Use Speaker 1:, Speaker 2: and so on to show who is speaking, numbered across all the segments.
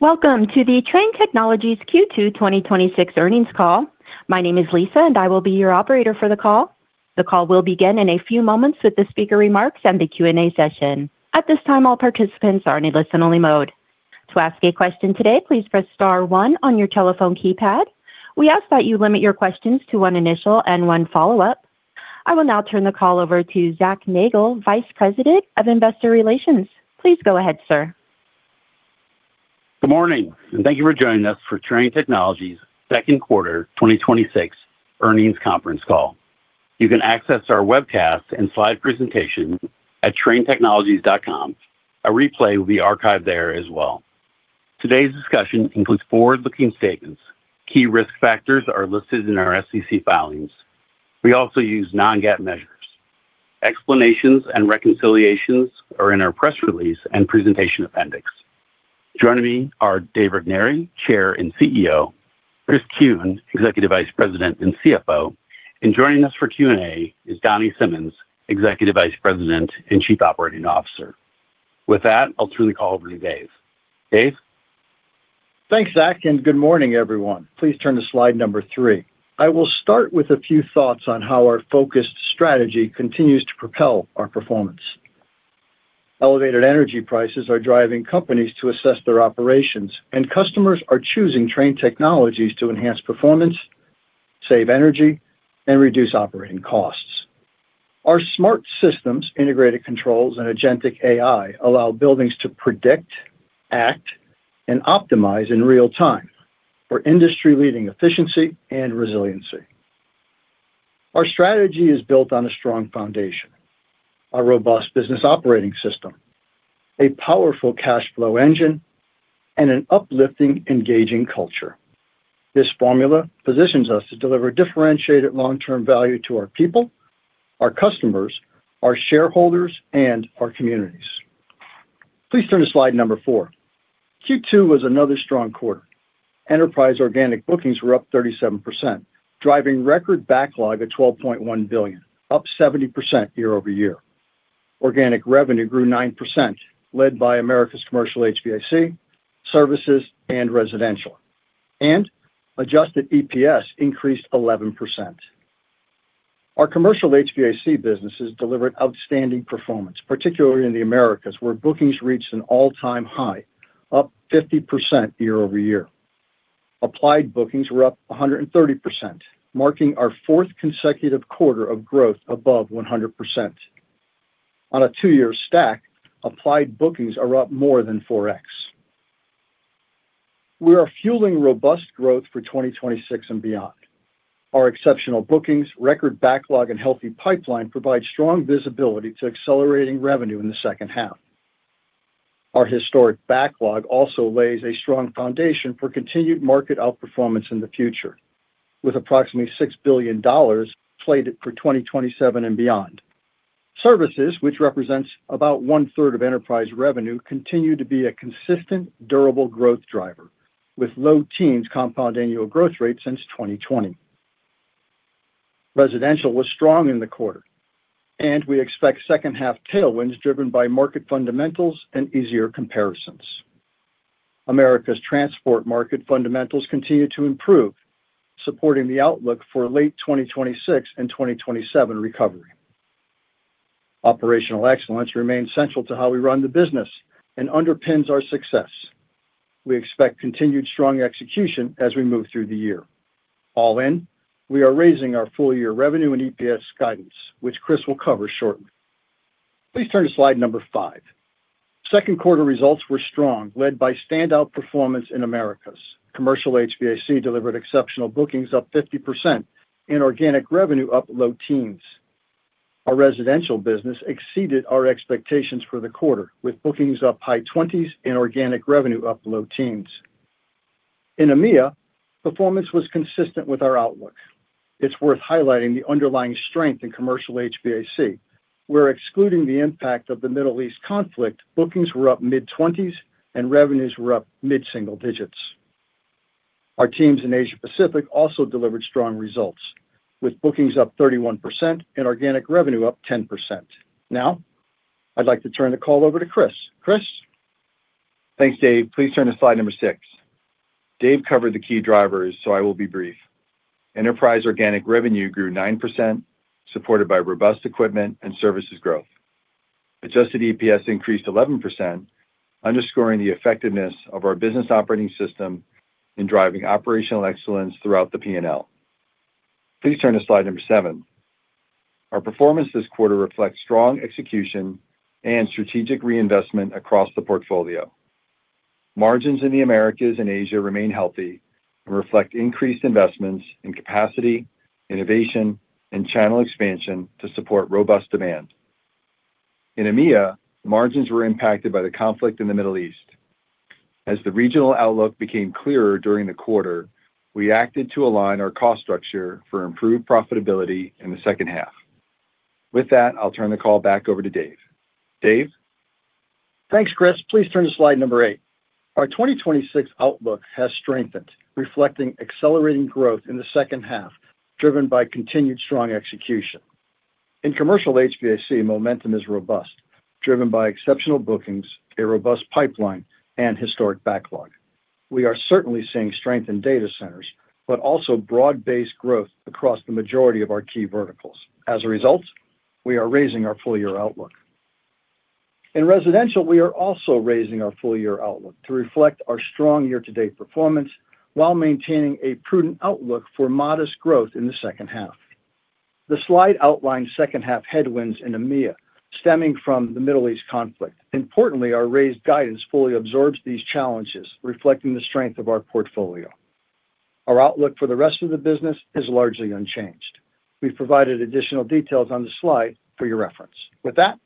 Speaker 1: Welcome to the Trane Technologies Q2 2026 earnings call. My name is Lisa, and I will be your operator for the call. The call will begin in a few moments with the speaker remarks and the Q&A session. At this time, all participants are in listen only mode. To ask a question today, please press star one on your telephone keypad. We ask that you limit your questions to one initial and one follow-up. I will now turn the call over to Zach Nagle, Vice President of Investor Relations. Please go ahead, sir.
Speaker 2: Good morning, and thank you for joining us for Trane Technologies second quarter 2026 earnings conference call. You can access our webcast and slide presentation at tranetechnologies.com. A replay will be archived there as well. Today's discussion includes forward-looking statements. Key risk factors are listed in our SEC filings. We also use non-GAAP measures. Explanations and reconciliations are in our press release and presentation appendix. Joining me are Dave Regnery, Chair and CEO, Chris Kuehn, Executive Vice President and CFO, and joining us for Q&A is Donny Simmons, Executive Vice President and Chief Operating Officer. With that, I'll turn the call over to Dave. Dave?
Speaker 3: Thanks, Zach, and good morning, everyone. Please turn to slide number three. I will start with a few thoughts on how our focused strategy continues to propel our performance. Elevated energy prices are driving companies to assess their operations, and customers are choosing Trane Technologies to enhance performance, save energy, and reduce operating costs. Our smart systems, integrated controls, and agentic AI allow buildings to predict, act, and optimize in real time for industry-leading efficiency and resiliency. Our strategy is built on a strong foundation, a robust business operating system, a powerful cash flow engine, and an uplifting, engaging culture. This formula positions us to deliver differentiated long-term value to our people, our customers, our shareholders, and our communities. Please turn to slide number four. Q2 was another strong quarter. Enterprise organic bookings were up 37%, driving record backlog of $12.1 billion, up 70% year-over-year. Organic revenue grew 9%, led by America's commercial HVAC, services, and residential. Adjusted EPS increased 11%. Our commercial HVAC businesses delivered outstanding performance, particularly in the Americas, where bookings reached an all-time high, up 50% year-over-year. Applied bookings were up 130%, marking our fourth consecutive quarter of growth above 100%. On a two-year stack, applied bookings are up more than 4x. We are fueling robust growth for 2026 and beyond. Our exceptional bookings, record backlog, and healthy pipeline provide strong visibility to accelerating revenue in the second half. Our historic backlog also lays a strong foundation for continued market outperformance in the future, with approximately $6 billion slated for 2027 and beyond. Services, which represents about 1/3 of enterprise revenue, continue to be a consistent, durable growth driver, with low teens compound annual growth rate since 2020. Residential was strong in the quarter. We expect second half tailwinds driven by market fundamentals and easier comparisons. America's transport market fundamentals continue to improve, supporting the outlook for late 2026 and 2027 recovery. Operational excellence remains central to how we run the business and underpins our success. We expect continued strong execution as we move through the year. All in, we are raising our full year revenue and EPS guidance, which Chris will cover shortly. Please turn to slide number five. Second quarter results were strong, led by standout performance in Americas. Commercial HVAC delivered exceptional bookings up 50% and organic revenue up low teens. Our residential business exceeded our expectations for the quarter, with bookings up high 20s and organic revenue up low teens. In EMEA, performance was consistent with our outlook. It's worth highlighting the underlying strength in commercial HVAC, where excluding the impact of the Middle East conflict, bookings were up mid-20s and revenues were up mid-single digits. Our teams in Asia Pacific also delivered strong results, with bookings up 31% and organic revenue up 10%. I'd like to turn the call over to Chris. Chris?
Speaker 4: Thanks, Dave. Please turn to slide number six. Dave covered the key drivers. I will be brief. Enterprise organic revenue grew 9%, supported by robust equipment and services growth. Adjusted EPS increased 11%, underscoring the effectiveness of our business operating system in driving operational excellence throughout the P&L. Please turn to slide number seven. Our performance this quarter reflects strong execution and strategic reinvestment across the portfolio. Margins in the Americas and Asia remain healthy and reflect increased investments in capacity, innovation, and channel expansion to support robust demand. In EMEA, margins were impacted by the conflict in the Middle East. As the regional outlook became clearer during the quarter, we acted to align our cost structure for improved profitability in the second half. With that, I'll turn the call back over to Dave. Dave?
Speaker 3: Thanks, Chris. Please turn to slide number eight. Our 2026 outlook has strengthened, reflecting accelerating growth in the second half, driven by continued strong execution. In commercial HVAC, momentum is robust, driven by exceptional bookings, a robust pipeline, and historic backlog. We are certainly seeing strength in data centers, also broad-based growth across the majority of our key verticals. As a result, we are raising our full-year outlook. In residential, we are also raising our full-year outlook to reflect our strong year-to-date performance while maintaining a prudent outlook for modest growth in the second half. The slide outlines second-half headwinds in EMEA stemming from the Middle East conflict. Importantly, our raised guidance fully absorbs these challenges, reflecting the strength of our portfolio. Our outlook for the rest of the business is largely unchanged. We've provided additional details on the slide for your reference. With that,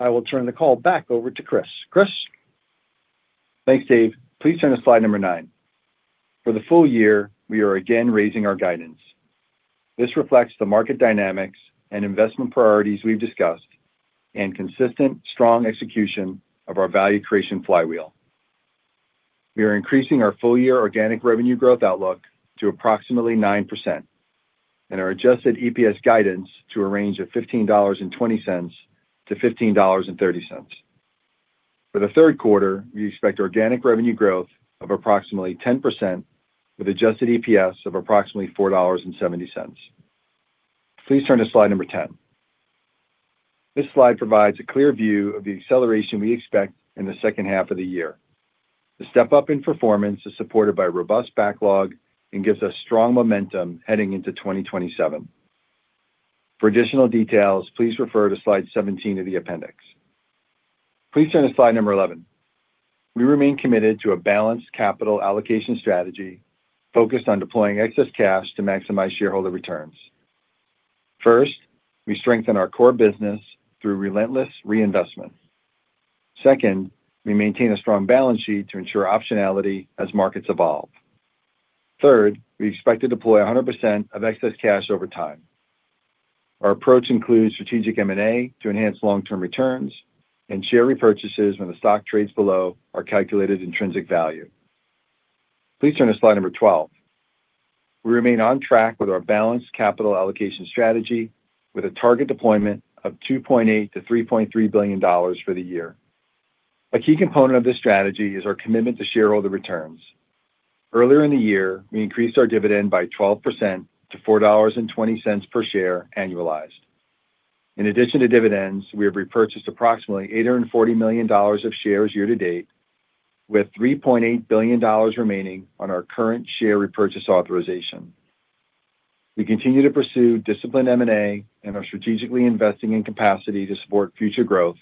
Speaker 3: I will turn the call back over to Chris. Chris?
Speaker 4: Thanks, Dave. Please turn to slide number nine. For the full year, we are again raising our guidance. This reflects the market dynamics and investment priorities we've discussed and consistent strong execution of our value creation flywheel. We are increasing our full-year organic revenue growth outlook to approximately 9% and our adjusted EPS guidance to a range of $15.20-$15.30. For the third quarter, we expect organic revenue growth of approximately 10% with adjusted EPS of approximately $4.70. Please turn to slide number 10. This slide provides a clear view of the acceleration we expect in the second half of the year. The step-up in performance is supported by robust backlog and gives us strong momentum heading into 2027. For additional details, please refer to slide 17 of the appendix. Please turn to slide number 11. We remain committed to a balanced capital allocation strategy focused on deploying excess cash to maximize shareholder returns. First, we strengthen our core business through relentless reinvestment. Second, we maintain a strong balance sheet to ensure optionality as markets evolve. Third, we expect to deploy 100% of excess cash over time. Our approach includes strategic M&A to enhance long-term returns and share repurchases when the stock trades below our calculated intrinsic value. Please turn to slide number 12. We remain on track with our balanced capital allocation strategy with a target deployment of $2.8 billion-$3.3 billion for the year. A key component of this strategy is our commitment to shareholder returns. Earlier in the year, we increased our dividend by 12% to $4.20 per share annualized. In addition to dividends, we have repurchased approximately $840 million of shares year to date, with $3.8 billion remaining on our current share repurchase authorization. We continue to pursue disciplined M&A and are strategically investing in capacity to support future growth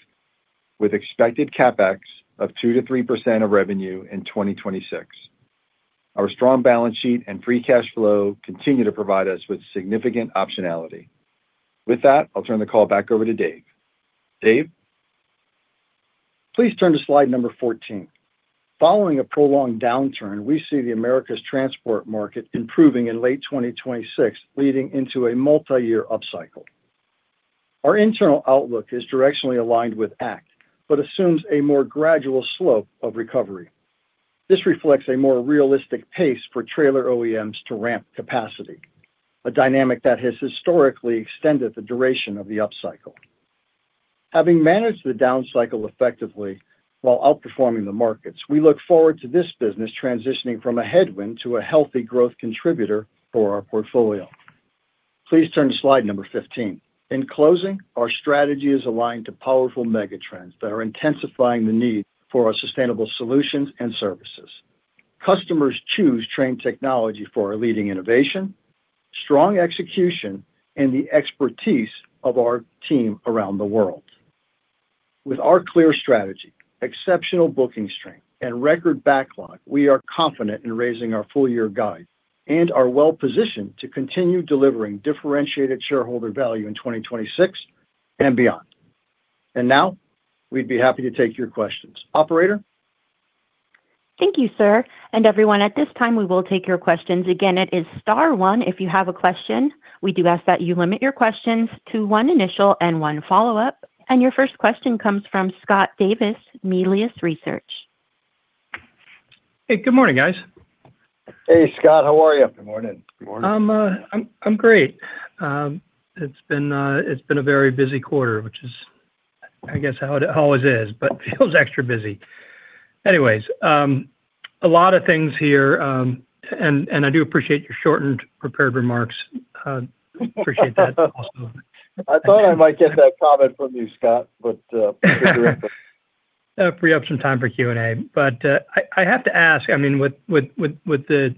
Speaker 4: with expected CapEx of 2%-3% of revenue in 2026. Our strong balance sheet and free cash flow continue to provide us with significant optionality. With that, I'll turn the call back over to Dave. Dave?
Speaker 3: Please turn to slide number 14. Following a prolonged downturn, we see the Americas transport market improving in late 2026, leading into a multiyear upcycle. Our internal outlook is directionally aligned with ACT but assumes a more gradual slope of recovery. This reflects a more realistic pace for trailer OEMs to ramp capacity, a dynamic that has historically extended the duration of the upcycle. Having managed the downcycle effectively while outperforming the markets, we look forward to this business transitioning from a headwind to a healthy growth contributor for our portfolio. Please turn to slide number 15. In closing, our strategy is aligned to powerful megatrends that are intensifying the need for our sustainable solutions and services. Customers choose Trane Technologies for our leading innovation, strong execution, and the expertise of our team around the world. With our clear strategy, exceptional booking strength, and record backlog, we are confident in raising our full-year guide and are well-positioned to continue delivering differentiated shareholder value in 2026 and beyond. Now we'd be happy to take your questions. Operator?
Speaker 1: Thank you, sir, and everyone. At this time, we will take your questions. Again, it is star one if you have a question. We do ask that you limit your questions to one initial and one follow-up. Your first question comes from Scott Davis, Melius Research.
Speaker 5: Hey, good morning, guys.
Speaker 3: Hey, Scott. How are you?
Speaker 4: Good morning.
Speaker 6: Good morning.
Speaker 5: I'm great. It's been a very busy quarter, which is I guess how it always is, but it feels extra busy. Anyways, a lot of things here, and I do appreciate your shortened prepared remarks. Appreciate that also.
Speaker 3: I thought I might get that comment from you, Scott. You're correct.
Speaker 5: Free up some time for Q&A. I have to ask, with the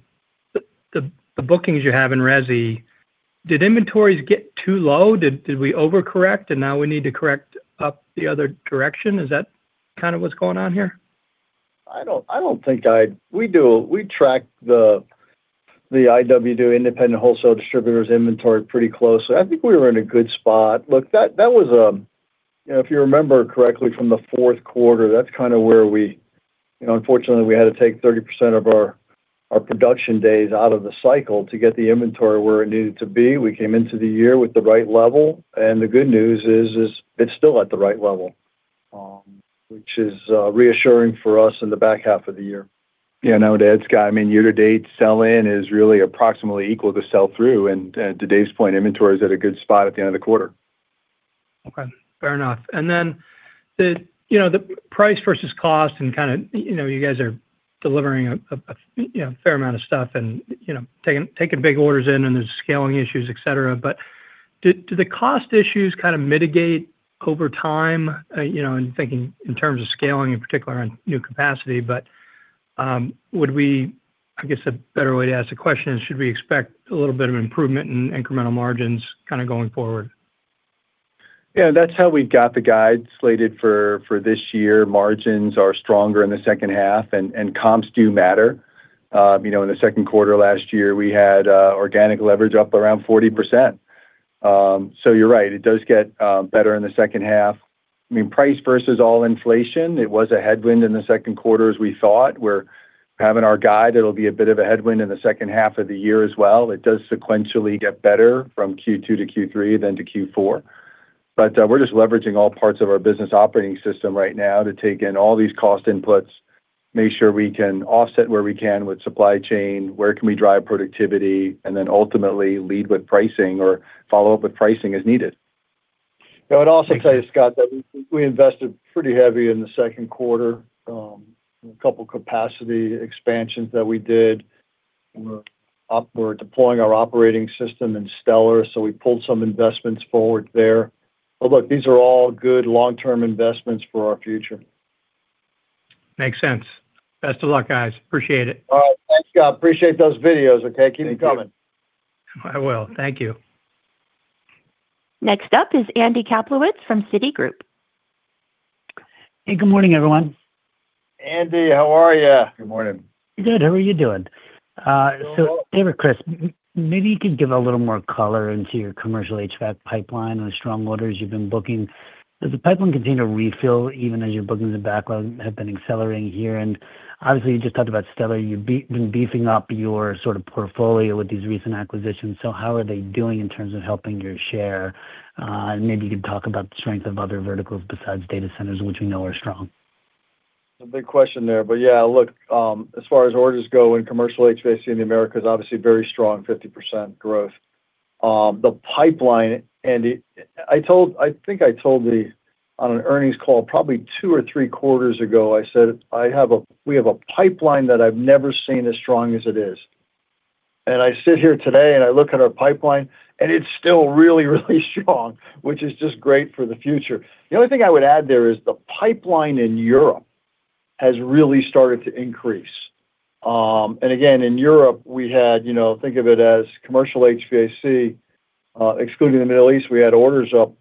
Speaker 5: bookings you have in resi, did inventories get too low? Did we overcorrect, and now we need to correct up the other direction? Is that kind of what's going on here?
Speaker 3: We track the IWD, Independent Wholesale Distributors, inventory pretty closely. I think we were in a good spot. Look, if you remember correctly from the fourth quarter, that's where unfortunately we had to take 30% of our production days out of the cycle to get the inventory where it needed to be. We came into the year with the right level, the good news is it's still at the right level, which is reassuring for us in the back half of the year.
Speaker 4: Yeah, no, Scott, year to date, sell-in is really approximately equal to sell-through. To Dave's point, inventory is at a good spot at the end of the quarter.
Speaker 5: Okay, fair enough. The price versus cost you guys are delivering a fair amount of stuff taking big orders in there's scaling issues, et cetera, do the cost issues kind of mitigate over time? I'm thinking in terms of scaling in particular on new capacity, I guess a better way to ask the question is should we expect a little bit of improvement in incremental margins going forward?
Speaker 4: Yeah, that's how we've got the guide slated for this year. Margins are stronger in the second half and comps do matter. In the second quarter last year, we had organic leverage up around 40%. You're right, it does get better in the second half. Price versus all inflation, it was a headwind in the second quarter as we thought, where having our guide, it'll be a bit of a headwind in the second half of the year as well. It does sequentially get better from Q2 to Q3 than to Q4. We're just leveraging all parts of our business operating system right now to take in all these cost inputs, make sure we can offset where we can with supply chain, where can we drive productivity, and then ultimately lead with pricing or follow up with pricing as needed.
Speaker 3: Yeah, I'd also say, Scott, that we invested pretty heavy in the second quarter. A couple of capacity expansions that we did were deploying our operating system in Stellar, we pulled some investments forward there. Look, these are all good long-term investments for our future.
Speaker 5: Makes sense. Best of luck, guys. Appreciate it.
Speaker 3: All right. Thanks, Scott. Appreciate those videos. Okay, keep them coming.
Speaker 5: I will. Thank you.
Speaker 1: Next up is Andy Kaplowitz from Citigroup.
Speaker 7: Hey, good morning, everyone.
Speaker 3: Andy, how are you?
Speaker 4: Good morning.
Speaker 7: Good. How are you doing?
Speaker 3: Doing well.
Speaker 7: Dave, Chris, maybe you could give a little more color into your commercial HVAC pipeline on the strong orders you've been booking. Does the pipeline continue to refill even as your bookings and backlog have been accelerating here? Obviously, you just talked about Stellar. You've been beefing up your sort of portfolio with these recent acquisitions. How are they doing in terms of helping your share? Maybe you can talk about the strength of other verticals besides data centers, which we know are strong.
Speaker 3: A big question there. Yeah, look, as far as orders go in commercial HVAC in the Americas, obviously very strong, 50% growth. The pipeline, Andy, I think I told on an earnings call probably two or three quarters ago, I said, "We have a pipeline that I've never seen as strong as it is." I sit here today and I look at our pipeline, and it's still really, really strong, which is just great for the future. The only thing I would add there is the pipeline in Europe has really started to increase. Again, in Europe, think of it as commercial HVAC, excluding the Middle East, we had orders up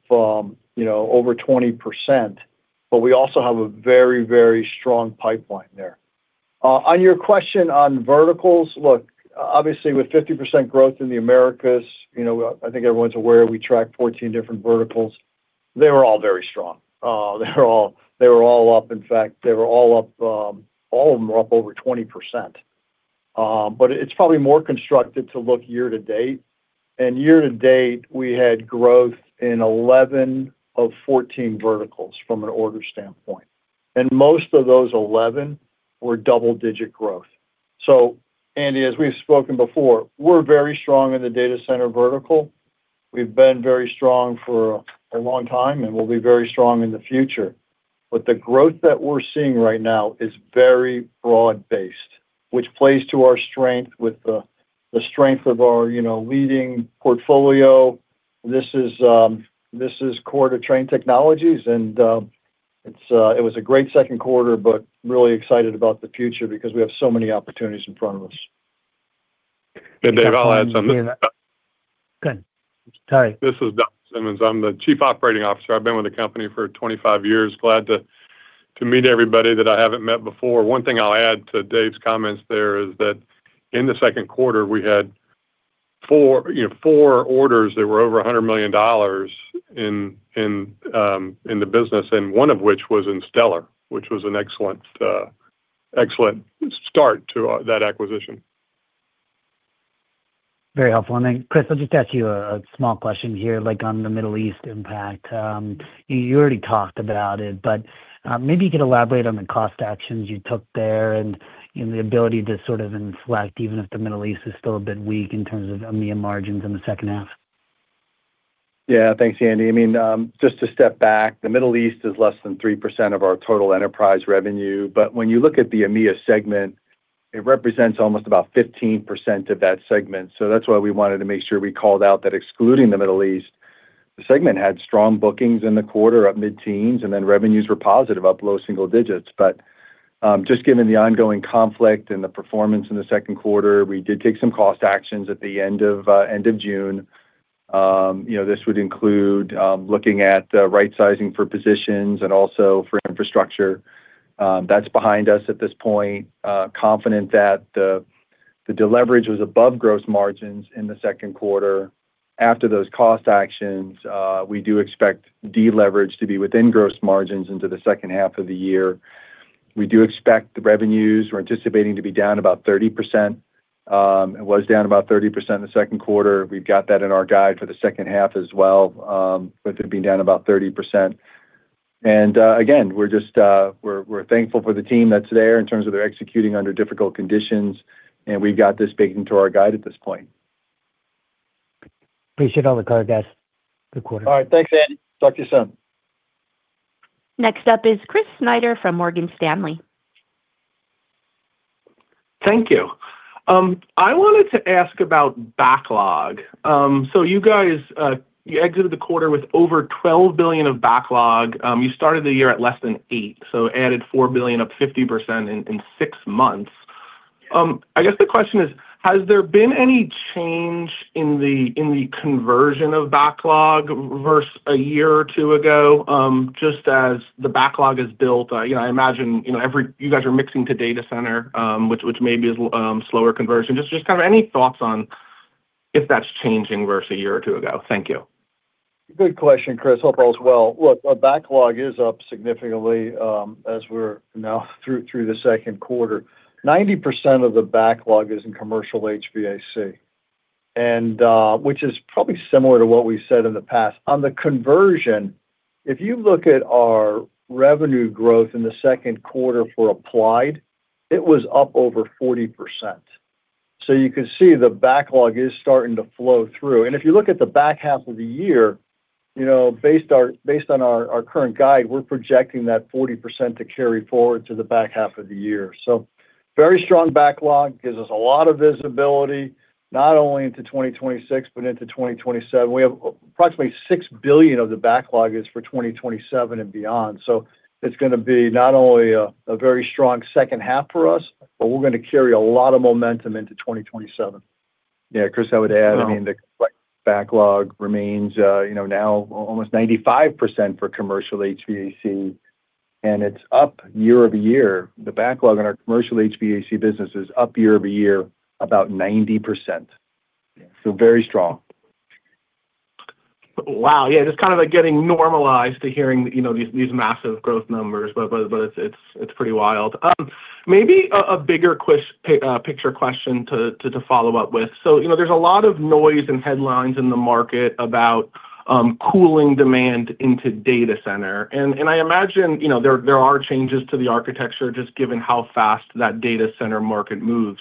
Speaker 3: over 20%, but we also have a very, very strong pipeline there. On your question on verticals, look, obviously with 50% growth in the Americas, I think everyone's aware we track 14 different verticals. They were all very strong. They were all up, in fact, all of them are up over 20%. It's probably more constructive to look year to date. Year to date, we had growth in 11 of 14 verticals from an order standpoint. Most of those 11 were double-digit growth. Andy, as we've spoken before, we're very strong in the data center vertical. We've been very strong for a long time and we'll be very strong in the future. The growth that we're seeing right now is very broad-based, which plays to our strength with the strength of our leading portfolio. This is core to Trane Technologies, and it was a great second quarter, really excited about the future because we have so many opportunities in front of us.
Speaker 6: Hey, Dave, I'll add something.
Speaker 7: Go ahead. Sorry.
Speaker 6: This is Donny Simmons. I'm the Chief Operating Officer. I've been with the company for 25 years. Glad to meet everybody that I haven't met before. One thing I'll add to Dave's comments there is that in the second quarter, we had four orders that were over $100 million in the business, and one of which was in Stellar Energy, which was an excellent start to that acquisition.
Speaker 7: Very helpful. Chris, I'll just ask you a small question here, like on the Middle East impact. You already talked about it, but maybe you could elaborate on the cost actions you took there and the ability to sort of inflect even if the Middle East is still a bit weak in terms of EMEA margins in the second half.
Speaker 4: Thanks, Andy. Just to step back, the Middle East is less than 3% of our total enterprise revenue, but when you look at the EMEA segment, it represents almost about 15% of that segment. That's why we wanted to make sure we called out that excluding the Middle East, the segment had strong bookings in the quarter up mid-teens, and then revenues were positive up low single digits. Just given the ongoing conflict and the performance in the second quarter, we did take some cost actions at the end of June. This would include looking at rightsizing for positions and also for infrastructure. That's behind us at this point. Confident that the deleverage was above gross margins in the second quarter. After those cost actions, we do expect deleverage to be within gross margins into the second half of the year. We do expect the revenues, we're anticipating to be down about 30%. It was down about 30% in the second quarter. We've got that in our guide for the second half as well, with it being down about 30%. Again, we're thankful for the team that's there in terms of they're executing under difficult conditions, and we've got this baked into our guide at this point.
Speaker 7: Appreciate all the color, guys. Good quarter.
Speaker 3: All right, thanks Andy. Talk to you soon.
Speaker 1: Next up is Chris Snyder from Morgan Stanley.
Speaker 8: Thank you. I wanted to ask about backlog. You guys exited the quarter with over $12 billion of backlog. You started the year at less than eight, added $4 billion, up 50% in six months. I guess the question is, has there been any change in the conversion of backlog versus a year or two ago? As the backlog is built, I imagine you guys are mixing to data center, which maybe is slower conversion. Any thoughts on if that's changing versus a year or two ago. Thank you.
Speaker 3: Good question, Chris. Hope all is well. Our backlog is up significantly as we're now through the second quarter. 90% of the backlog is in commercial HVAC, which is probably similar to what we've said in the past. On the conversion, if you look at our revenue growth in the second quarter for Applied, it was up over 40%. You can see the backlog is starting to flow through. If you look at the back half of the year, based on our current guide, we're projecting that 40% to carry forward to the back half of the year. Very strong backlog. Gives us a lot of visibility, not only into 2026, but into 2027. We have approximately $6 billion of the backlog is for 2027 and beyond. It's going to be not only a very strong second half for us, but we're going to carry a lot of momentum into 2027.
Speaker 4: Yeah, Chris, I would add, the complex backlog remains now almost 95% for commercial HVAC, and it's up year-over-year. The backlog on our commercial HVAC business is up year-over-year about 90%. Very strong.
Speaker 8: Wow. Yeah, just kind of getting normalized to hearing these massive growth numbers, but it's pretty wild. Maybe a bigger picture question to follow up with. There's a lot of noise and headlines in the market about cooling demand into data center, and I imagine there are changes to the architecture just given how fast that data center market moves.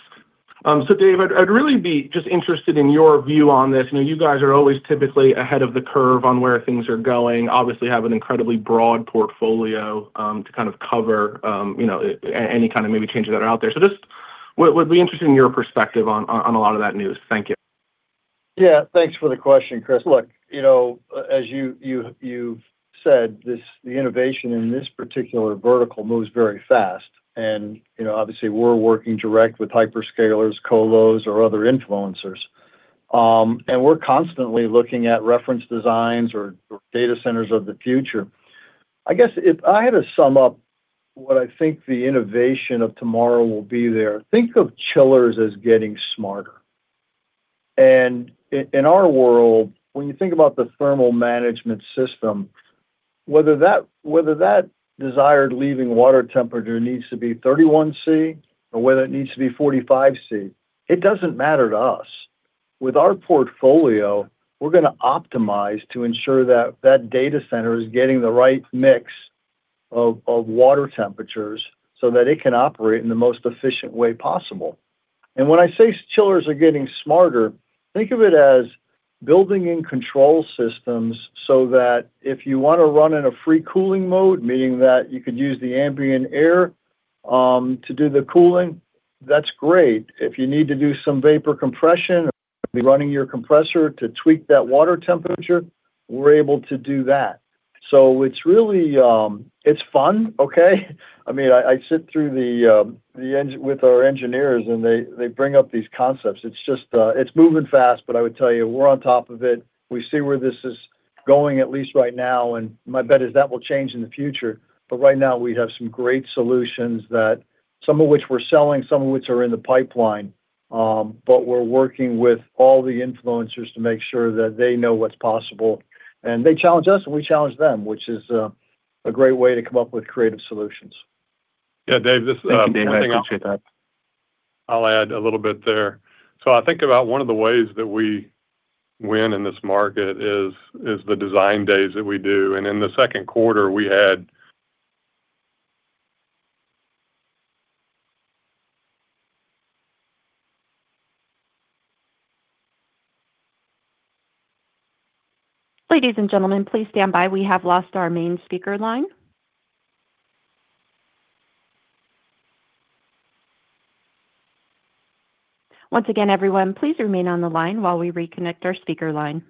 Speaker 8: Dave, I'd really be just interested in your view on this. You guys are always typically ahead of the curve on where things are going. Obviously have an incredibly broad portfolio to kind of cover any kind of maybe changes that are out there. Just would be interested in your perspective on a lot of that news. Thank you.
Speaker 3: Yeah, thanks for the question, Chris. Look, as you've said, the innovation in this particular vertical moves very fast and obviously we're working direct with hyperscalers, colos or other influencers. We're constantly looking at reference designs or data centers of the future. I guess if I had to sum up what I think the innovation of tomorrow will be there, think of chillers as getting smarter. In our world, when you think about the thermal management system, whether that desired leaving water temperature needs to be 31 degrees Celsius or whether it needs to be 45 degrees Celsius, it doesn't matter to us. With our portfolio, we're going to optimize to ensure that that data center is getting the right mix of water temperatures so that it can operate in the most efficient way possible. When I say chillers are getting smarter, think of it as building in control systems so that if you want to run in a free cooling mode, meaning that you could use the ambient air to do the cooling, that's great. If you need to do some vapor compression or be running your compressor to tweak that water temperature, we're able to do that. It's fun. I sit with our engineers and they bring up these concepts. It's moving fast, but I would tell you we're on top of it. We see where this is going, at least right now, and my bet is that will change in the future. Right now we have some great solutions, some of which we're selling, some of which are in the pipeline. We're working with all the influencers to make sure that they know what's possible, and they challenge us and we challenge them, which is a great way to come up with creative solutions.
Speaker 6: Yeah, Dave.
Speaker 8: Thank you, Dave. I appreciate that.
Speaker 6: I'll add a little bit there. I think about one of the ways that we win in this market is the design days that we do. In the second quarter.
Speaker 1: Ladies and gentlemen, please stand by. We have lost our main speaker line. Once again, everyone, please remain on the line while we reconnect our speaker line.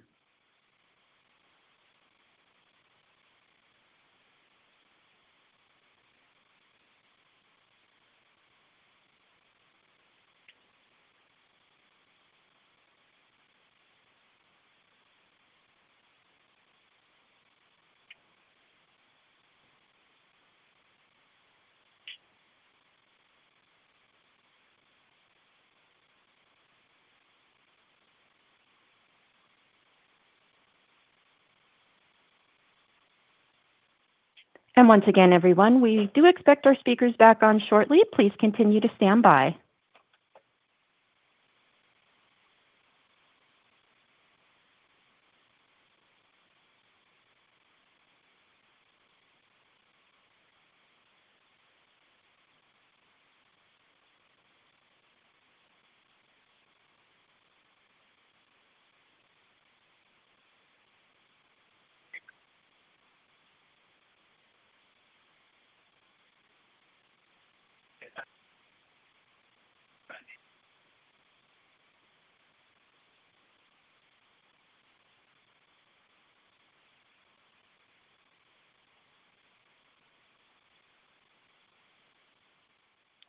Speaker 1: Once again, everyone, we do expect our speakers back on shortly. Please continue to stand by.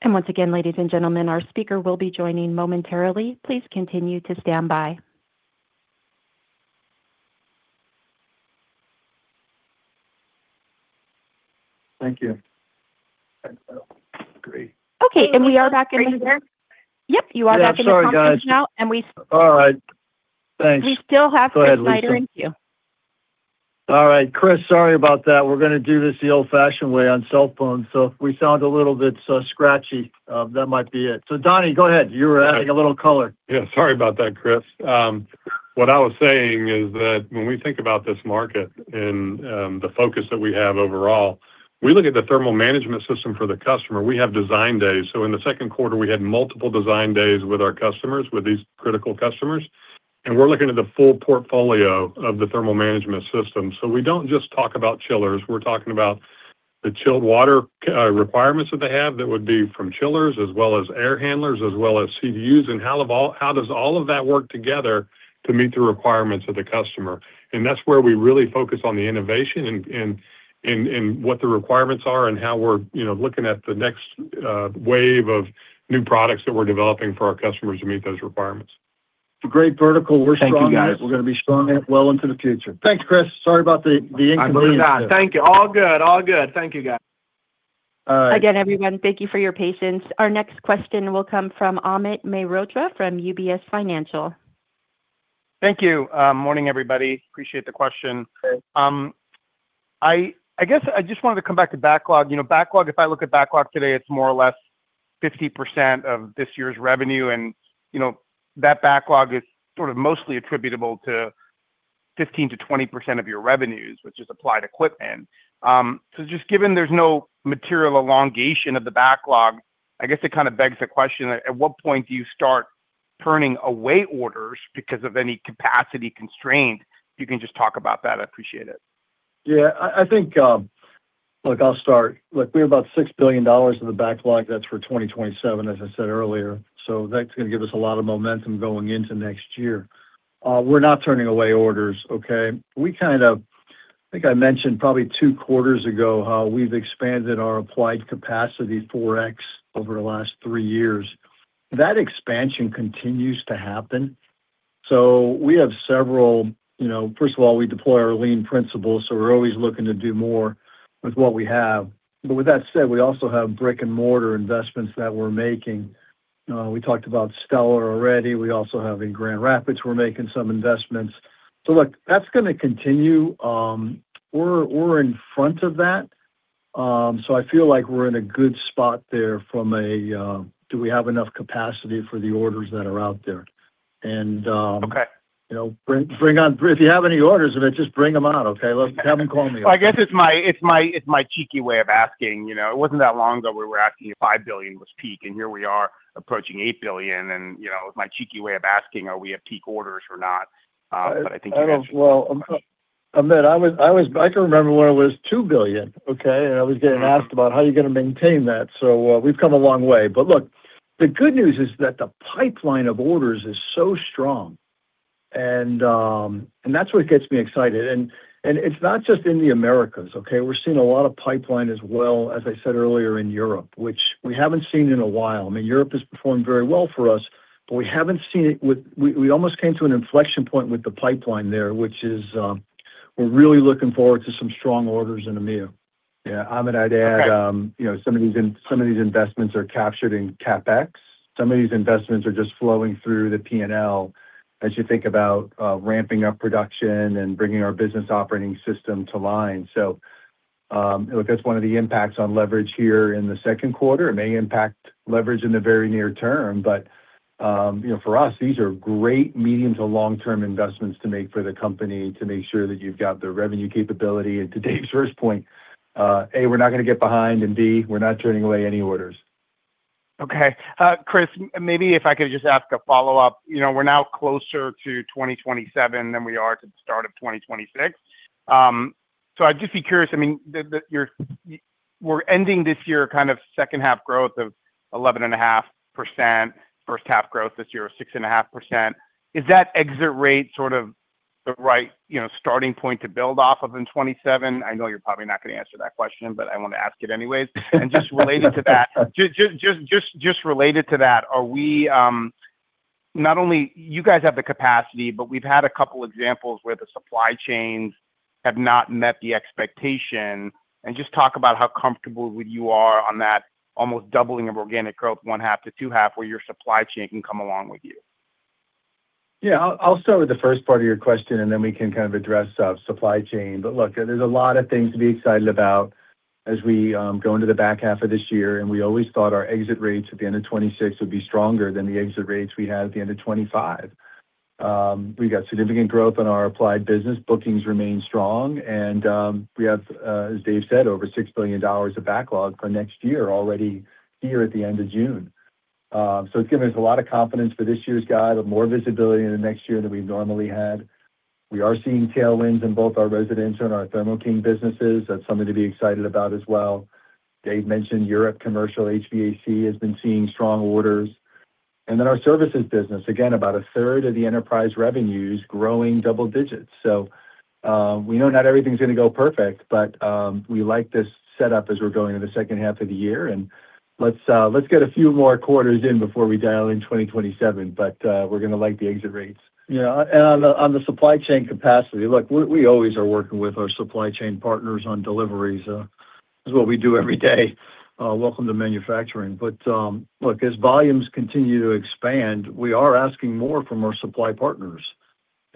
Speaker 1: Once again, ladies and gentlemen, our speaker will be joining momentarily. Please continue to stand by.
Speaker 3: Thank you. Great.
Speaker 1: Okay. We are back. Chris, are you there? Yep, you are back in the conference now.
Speaker 3: Yeah, sorry, guys.
Speaker 1: And we-
Speaker 3: All right. Thanks.
Speaker 1: We still have Chris Snyder with you.
Speaker 3: Go ahead, Lisa. All right, Chris, sorry about that. We're going to do this the old-fashioned way on cell phones, if we sound a little bit scratchy, that might be it. Donny, go ahead. You were adding a little color.
Speaker 6: Yeah. Sorry about that, Chris. What I was saying is that when we think about this market and the focus that we have overall, we look at the thermal management system for the customer. We have design days. In the second quarter, we had multiple design days with our customers, with these critical customers, and we're looking at the full portfolio of the thermal management system. We don't just talk about chillers. We're talking about the chilled water requirements that they have that would be from chillers, as well as air handlers, as well as CDUs, and how does all of that work together to meet the requirements of the customer. That's where we really focus on the innovation and what the requirements are and how we're looking at the next wave of new products that we're developing for our customers to meet those requirements.
Speaker 3: It's a great vertical. We're strong in it.
Speaker 8: Thank you, guys.
Speaker 3: We're going to be strong well into the future. Thanks, Chris. Sorry about the inconvenience there.
Speaker 8: I believe that. Thank you. All good. Thank you, guys.
Speaker 1: Again, everyone, thank you for your patience. Our next question will come from Amit Mehrotra from UBS Financial.
Speaker 9: Thank you. Morning, everybody. Appreciate the question.
Speaker 3: Hey.
Speaker 9: I guess I just wanted to come back to backlog. If I look at backlog today, it's more or less 50% of this year's revenue, and that backlog is sort of mostly attributable to 15%-20% of your revenues, which is applied equipment. Just given there's no material elongation of the backlog, I guess it kind of begs the question, at what point do you start turning away orders because of any capacity constraint? If you can just talk about that, I'd appreciate it.
Speaker 3: Yeah. I think, look, I'll start. Look, we have about $6 billion in the backlog. That's for 2027, as I said earlier, so that's going to give us a lot of momentum going into next year. We're not turning away orders, okay? I think I mentioned probably two quarters ago how we've expanded our applied capacity 4x over the last three years. That expansion continues to happen. First of all, we deploy our lean principles, so we're always looking to do more with what we have. But with that said, we also have brick-and-mortar investments that we're making. We talked about Stellar already. We also have in Grand Rapids, we're making some investments. Look, that's going to continue. We're in front of that, so I feel like we're in a good spot there from a, do we have enough capacity for the orders that are out there?
Speaker 9: Okay.
Speaker 3: If you have any orders, Amit, just bring them out, okay? Have them call me up.
Speaker 9: I guess it's my cheeky way of asking. It wasn't that long ago we were asking if $5 billion was peak, and here we are approaching $8 billion, and it was my cheeky way of asking, are we at peak orders or not? I think you mentioned-
Speaker 3: Amit, I can remember when it was $2 billion, okay? I was getting asked about how you're going to maintain that. We've come a long way. Look, the good news is that the pipeline of orders is so strong, and that's what gets me excited. It's not just in the Americas, okay? We're seeing a lot of pipeline as well, as I said earlier, in Europe, which we haven't seen in a while. I mean, Europe is performing very well for us, but we haven't seen it. We almost came to an inflection point with the pipeline there, which is we're really looking forward to some strong orders in EMEA.
Speaker 4: Yeah. Amit, I'd add some of these investments are captured in CapEx. Some of these investments are just flowing through the P&L as you think about ramping up production and bringing our business operating system to line. Look, that's one of the impacts on leverage here in the second quarter. It may impact leverage in the very near term, for us, these are great medium to long-term investments to make for the company to make sure that you've got the revenue capability. To Dave's first point, A, we're not going to get behind, and B, we're not turning away any orders.
Speaker 9: Okay. Chris, maybe if I could just ask a follow-up. We're now closer to 2027 than we are to the start of 2026. I'd just be curious, we're ending this year kind of second half growth of 11.5%, first half growth this year of 6.5%. Is that exit rate sort of the right starting point to build off of in 2027? I know you're probably not going to answer that question, I want to ask it anyways. Just related to that, not only you guys have the capacity, we've had a couple examples where the supply chains have not met the expectation. Just talk about how comfortable you are on that almost doubling of organic growth, one half to two half, where your supply chain can come along with you.
Speaker 4: I'll start with the first part of your question, then we can kind of address supply chain. Look, there's a lot of things to be excited about As we go into the back half of this year, we always thought our exit rates at the end of 2026 would be stronger than the exit rates we had at the end of 2025. We got significant growth in our Applied business. Bookings remain strong, we have, as Dave said, over $6 billion of backlog for next year already here at the end of June. It's given us a lot of confidence for this year's guide with more visibility into next year than we've normally had. We are seeing tailwinds in both our Residential and our Thermo King businesses. That's something to be excited about as well. Dave mentioned Europe Commercial HVAC has been seeing strong orders. Our services business, again, about a third of the enterprise revenue is growing double digits. We know not everything's going to go perfect, we like this setup as we're going into the second half of the year and let's get a few more quarters in before we dial in 2027. We're going to like the exit rates.
Speaker 3: On the supply chain capacity, look, we always are working with our supply chain partners on deliveries. It's what we do every day. Welcome to manufacturing. Look, as volumes continue to expand, we are asking more from our supply partners.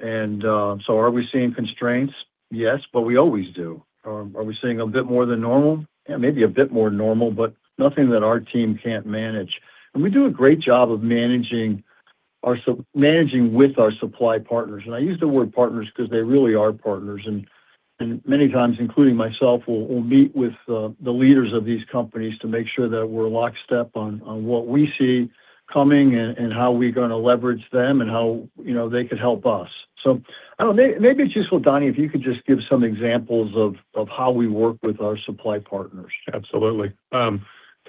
Speaker 3: Are we seeing constraints? Yes, but we always do. Are we seeing a bit more than normal? Maybe a bit more normal, but nothing that our team can't manage. We do a great job of managing with our supply partners. I use the word partners because they really are partners, and many times, including myself, we'll meet with the leaders of these companies to make sure that we're lockstep on what we see coming and how we're going to leverage them and how they could help us. I don't know, maybe it's useful, Donny, if you could just give some examples of how we work with our supply partners.
Speaker 6: Absolutely.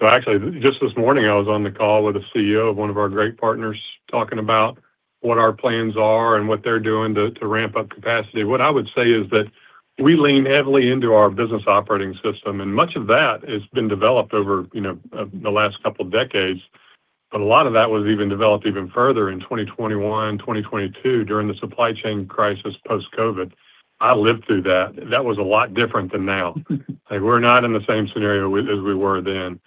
Speaker 6: Actually, just this morning, I was on the call with a CEO of one of our great partners, talking about what our plans are and what they're doing to ramp up capacity. What I would say is that we lean heavily into our business operating system, and much of that has been developed over the last couple of decades. A lot of that was even developed even further in 2021, 2022 during the supply chain crisis post-COVID. I lived through that. That was a lot different than now. We're not in the same scenario as we were then.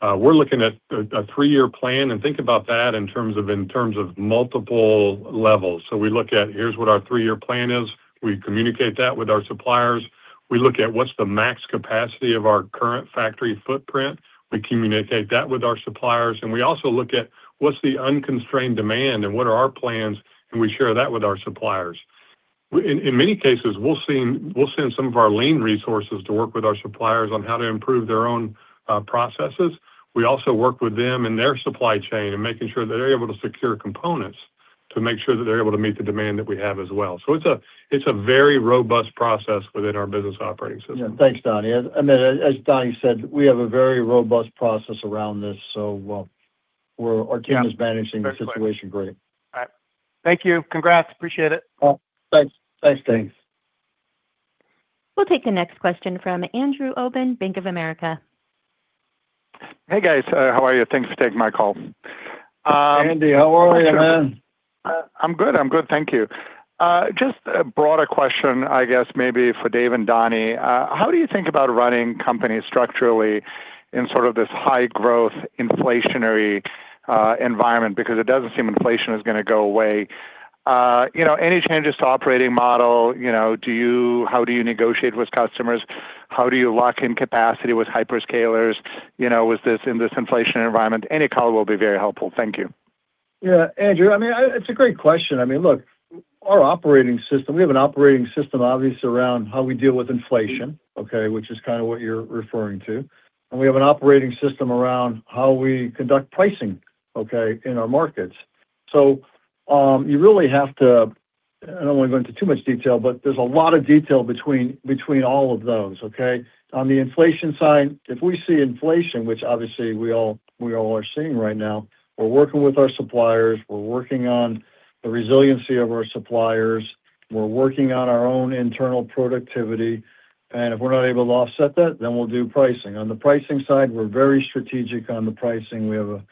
Speaker 6: We're looking at a three-year plan, think about that in terms of multiple levels. We look at here's what our three-year plan is. We communicate that with our suppliers. We look at what's the max capacity of our current factory footprint. We communicate that with our suppliers, we also look at what's the unconstrained demand and what are our plans, we share that with our suppliers. In many cases, we'll send some of our lean resources to work with our suppliers on how to improve their own processes. We also work with them and their supply chain and making sure that they're able to secure components to make sure that they're able to meet the demand that we have as well. It's a very robust process within our business operating system.
Speaker 3: Yeah. Thanks, Donny. As Donny said, we have a very robust process around this.
Speaker 6: Yeah.
Speaker 3: ...is managing the situation great.
Speaker 9: All right. Thank you. Congrats. Appreciate it.
Speaker 3: Thanks.
Speaker 4: Thanks. Thanks.
Speaker 1: We'll take the next question from Andrew Obin, Bank of America.
Speaker 10: Hey, guys. How are you? Thanks for taking my call.
Speaker 3: Andy, how are you, man?
Speaker 10: I'm good. Thank you. Just a broader question, I guess, maybe for Dave and Donny. How do you think about running companies structurally in sort of this high growth inflationary environment? It doesn't seem inflation is going to go away. Any changes to operating model? How do you negotiate with customers? How do you lock in capacity with hyperscalers in this inflation environment? Any color will be very helpful. Thank you.
Speaker 3: Yeah, Andrew, it's a great question. Look, our operating system, we have an operating system obviously around how we deal with inflation, okay, which is kind of what you're referring to. We have an operating system around how we conduct pricing, okay, in our markets. You really have to, I don't want to go into too much detail, but there's a lot of detail between all of those, okay? On the inflation side, if we see inflation, which obviously we all are seeing right now, we're working with our suppliers, we're working on the resiliency of our suppliers, we're working on our own internal productivity, and if we're not able to offset that, then we'll do pricing. On the pricing side, we're very strategic on the pricing. We have a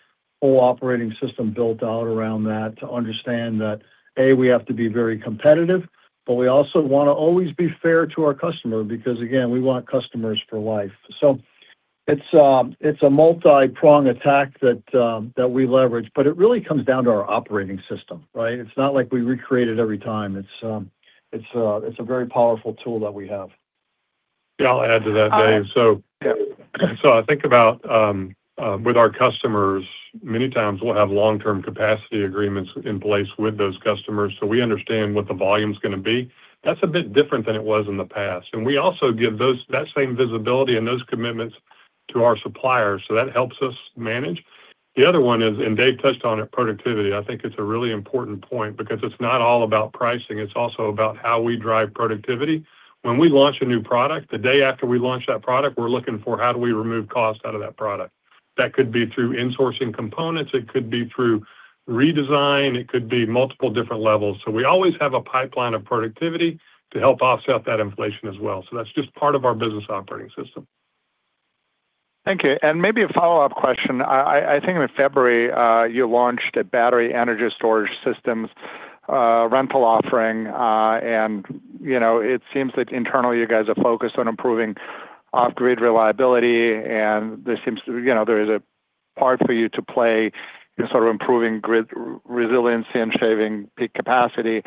Speaker 3: whole operating system built out around that to understand that, A, we have to be very competitive, but we also want to always be fair to our customer, because again, we want customers for life. It's a multi-pronged attack that we leverage, but it really comes down to our operating system, right? It's not like we recreate it every time. It's a very powerful tool that we have.
Speaker 6: Yeah, I'll add to that, Dave.
Speaker 3: Yeah.
Speaker 6: I think about with our customers, many times we'll have long-term capacity agreements in place with those customers, so we understand what the volume's going to be. That's a bit different than it was in the past. We also give that same visibility and those commitments to our suppliers. That helps us manage. The other one is, and Dave touched on it, productivity. I think it's a really important point because it's not all about pricing, it's also about how we drive productivity. When we launch a new product, the day after we launch that product, we're looking for how do we remove cost out of that product. That could be through insourcing components, it could be through redesign, it could be multiple different levels. We always have a pipeline of productivity to help offset that inflation as well. That's just part of our business operating system.
Speaker 10: Thank you. Maybe a follow-up question. I think in February, you launched a battery energy storage systems rental offering. It seems that internally you guys are focused on improving off-grid reliability, and there is a part for you to play in sort of improving grid resiliency and shaving peak capacity.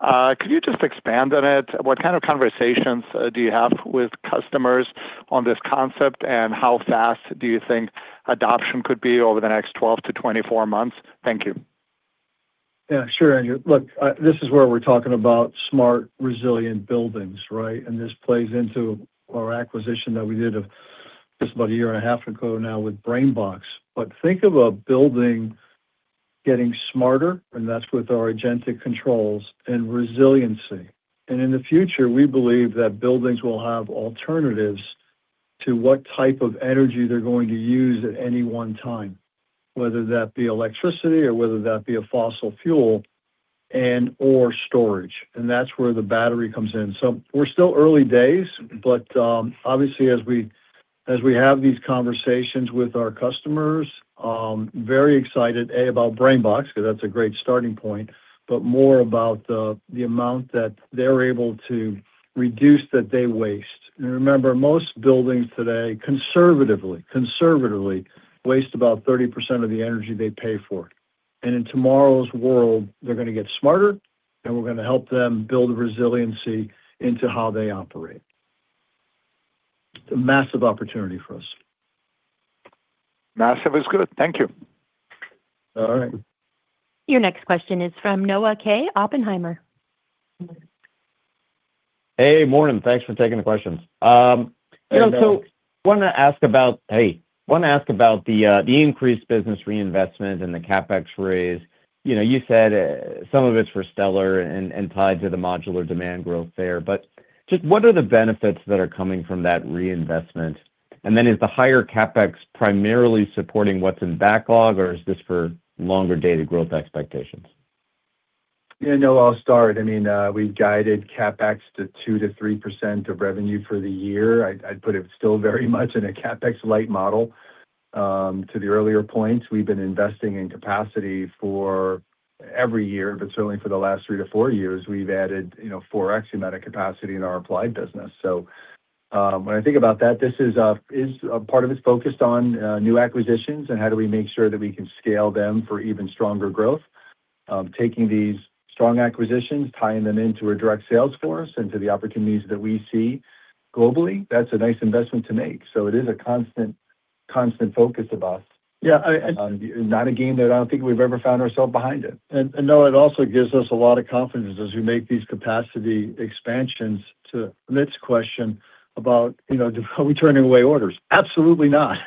Speaker 10: Could you just expand on it? What kind of conversations do you have with customers on this concept, and how fast do you think adoption could be over the next 12-24 months? Thank you.
Speaker 3: Yeah, sure, Andrew. Look, this is where we're talking about smart, resilient buildings, right? This plays into our acquisition that we did just about a year and a half ago now with BrainBox. Think of a building getting smarter, and that's with our agentic controls and resiliency. In the future, we believe that buildings will have alternatives to what type of energy they're going to use at any one time, whether that be electricity or whether that be a fossil fuel and/or storage, and that's where the battery comes in. We're still early days, but obviously as we have these conversations with our customers, very excited, A, about BrainBox, because that's a great starting point, but more about the amount that they're able to reduce that they waste. Remember, most buildings today conservatively waste about 30% of the energy they pay for. In tomorrow's world, they're going to get smarter, and we're going to help them build resiliency into how they operate. It's a massive opportunity for us. Massive is good. Thank you. All right.
Speaker 1: Your next question is from Noah Kaye, Oppenheimer.
Speaker 11: Hey, morning. Thanks for taking the questions.
Speaker 3: Hey, Noah.
Speaker 11: Wanted to ask about the increased business reinvestment and the CapEx raise. You said some of it's for Stellar and tied to the modular demand growth there, but just what are the benefits that are coming from that reinvestment? Is the higher CapEx primarily supporting what's in backlog, or is this for longer data growth expectations?
Speaker 3: Yeah, Noah, I'll start. We've guided CapEx to 2%-3% of revenue for the year. I'd put it still very much in a CapEx light model. To the earlier point, we've been investing in capacity for every year, but certainly for the last three to four years, we've added 4x the amount of capacity in our applied business. When I think about that, part of it's focused on new acquisitions and how do we make sure that we can scale them for even stronger growth? Taking these strong acquisitions, tying them into a direct sales force, and to the opportunities that we see globally, that's a nice investment to make. It is a constant focus of us. Yeah. Not a game that I don't think we've ever found ourselves behind in. No, it also gives us a lot of confidence as we make these capacity expansions to Amit's question about, are we turning away orders? Absolutely not.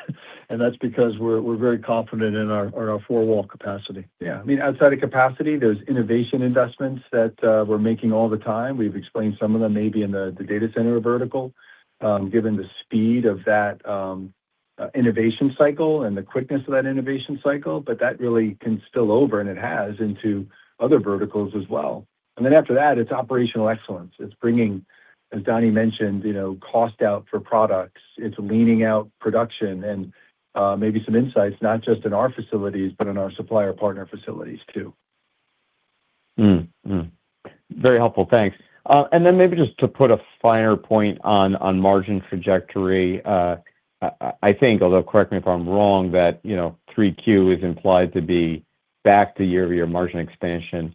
Speaker 3: That's because we're very confident in our four-wall capacity. Yeah. Outside of capacity, there's innovation investments that we're making all the time. We've explained some of them maybe in the data center vertical, given the speed of that innovation cycle and the quickness of that innovation cycle. That really can spill over, and it has, into other verticals as well. After that, it's operational excellence. It's bringing, as Donny mentioned, cost out for products. It's leaning out production and maybe some insights, not just in our facilities, but in our supplier partner facilities, too.
Speaker 11: Very helpful. Thanks. Maybe just to put a finer point on margin trajectory, I think, although correct me if I'm wrong, that 3Q is implied to be back to year-over-year margin expansion.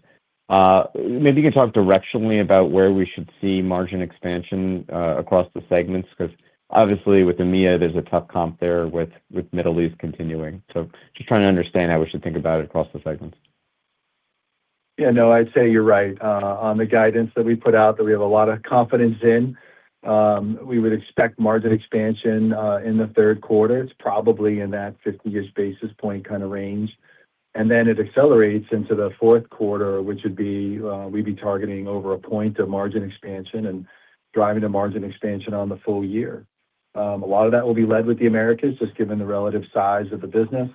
Speaker 11: Maybe you can talk directionally about where we should see margin expansion across the segments, because obviously with EMEA, there's a tough comp there with Middle East continuing. Just trying to understand how we should think about it across the segments.
Speaker 4: Yeah, no, I'd say you're right. On the guidance that we put out, that we have a lot of confidence in, we would expect margin expansion in the third quarter. It's probably in that 50-ish basis point kind of range. It accelerates into the fourth quarter, which would be, we'd be targeting over a point of margin expansion and driving a margin expansion on the full year. A lot of that will be led with the Americas, just given the relative size of the business.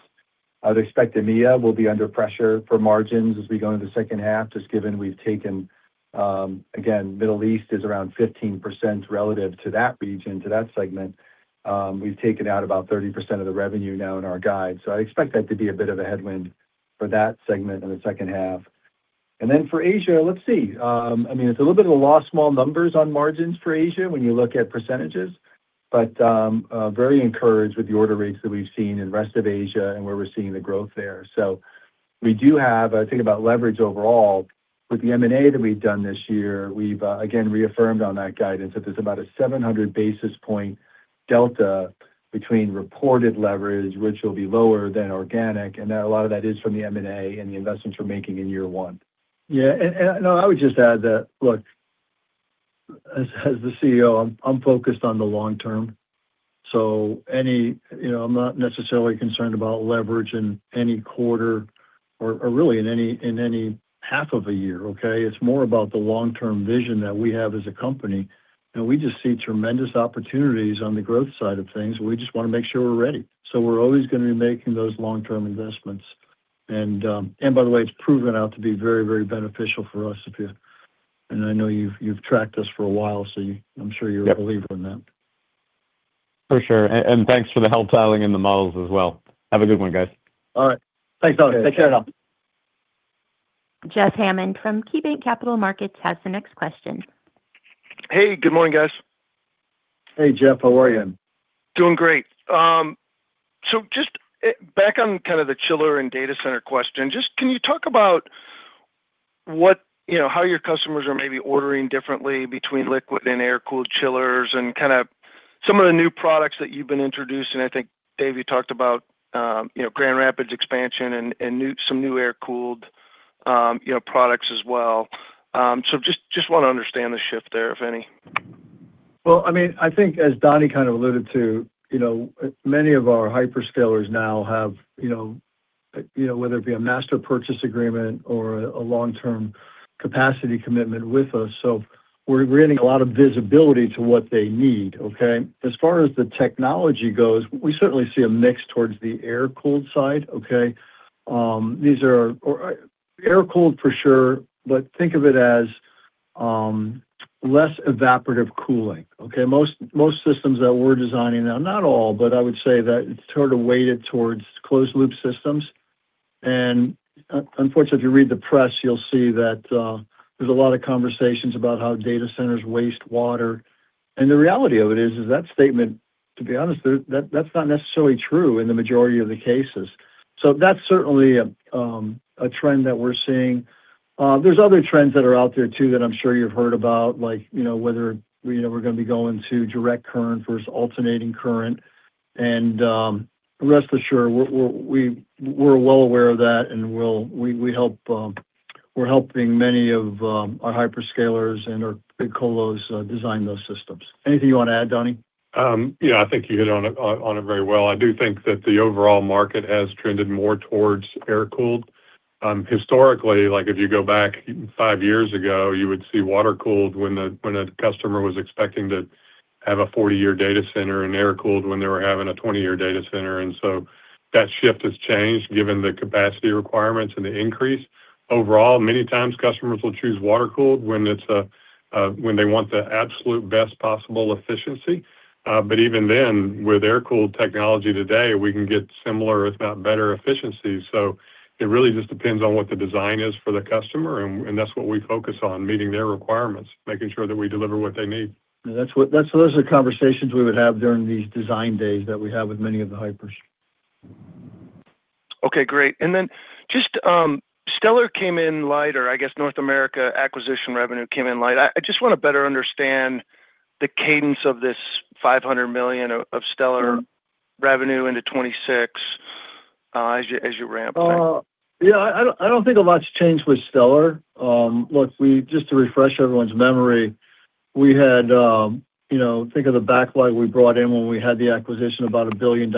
Speaker 4: I'd expect EMEA will be under pressure for margins as we go into the second half, just given we've taken, again, Middle East is around 15% relative to that region, to that segment. We've taken out about 30% of the revenue now in our guide. I expect that to be a bit of a headwind for that segment in the second half. For Asia, let's see. It's a little bit of law of small numbers on margins for Asia when you look at percentages, but I'm very encouraged with the order rates that we've seen in the rest of Asia and where we're seeing the growth there. We do have, I think about leverage overall. With the M&A that we've done this year, we've again reaffirmed on that guidance that there's about a 700 basis point delta between reported leverage, which will be lower than organic, and a lot of that is from the M&A and the investments we're making in year one.
Speaker 3: Yeah. I would just add that, look, as the CEO, I'm focused on the long term. I'm not necessarily concerned about leverage in any quarter or really in any half of a year, okay? It's more about the long-term vision that we have as a company. We just see tremendous opportunities on the growth side of things, and we just want to make sure we're ready. We're always going to be making those long-term investments. By the way, it's proven out to be very beneficial for us. I know you've tracked us for a while, I'm sure you're a believer in that.
Speaker 11: For sure. Thanks for the help dialing in the models as well. Have a good one, guys.
Speaker 3: All right. Thanks, Noah. Take care now.
Speaker 1: Jeff Hammond from KeyBanc Capital Markets has the next question.
Speaker 12: Hey, good morning, guys.
Speaker 3: Hey, Jeff. How are you?
Speaker 12: Doing great. Just back on kind of the chiller and data center question, just can you talk about how your customers are maybe ordering differently between liquid and air-cooled chillers and kind of some of the new products that you've been introducing. I think, Dave, you talked about Grand Rapids expansion and some new air-cooled products as well. Just want to understand the shift there, if any.
Speaker 3: Well, I think as Donny kind of alluded to, many of our hyperscalers now have, whether it be a master purchase agreement or a long-term capacity commitment with us. We're getting a lot of visibility to what they need. Okay? As far as the technology goes, we certainly see a mix towards the air-cooled side. Okay? Air-cooled for sure, but think of it as less evaporative cooling. Okay? Most systems that we're designing now, not all, but I would say that it's sort of weighted towards closed-loop systems. Unfortunately, if you read the press, you'll see that there's a lot of conversations about how data centers waste water. The reality of it is that statement, to be honest, that's not necessarily true in the majority of the cases. That's certainly a trend that we're seeing. There's other trends that are out there, too, that I'm sure you've heard about, like whether we're going to be going to direct current versus alternating current. Rest assured, we're well aware of that and we're helping many of our hyperscalers and our big colos design those systems. Anything you want to add, Donny?
Speaker 6: Yeah, I think you hit on it very well. I do think that the overall market has trended more towards air-cooled. Historically, if you go back five years ago, you would see water-cooled when a customer was expecting to have a 40-year data center and air-cooled when they were having a 20-year data center. That shift has changed given the capacity requirements and the increase. Overall, many times customers will choose water-cooled when they want the absolute best possible efficiency. Even then, with air-cooled technology today, we can get similar, if not better efficiency. It really just depends on what the design is for the customer, and that's what we focus on, meeting their requirements, making sure that we deliver what they need.
Speaker 3: Those are conversations we would have during these design days that we have with many of the hypers.
Speaker 12: Okay, great. Just Stellar came in light, or I guess North America acquisition revenue came in light. I just want to better understand the cadence of this $500 million of Stellar revenue into 2026 as you ramp.
Speaker 3: Yeah, I don't think a lot's changed with Stellar. Look, just to refresh everyone's memory, think of the backlog we brought in when we had the acquisition, about $1 billion.